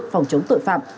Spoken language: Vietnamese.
phòng chống tội phạm